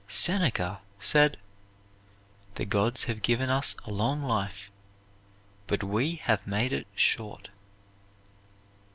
Seneca said, "The gods have given us a long life, but we have made it short."